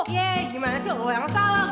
ye gimana sih lo yang salah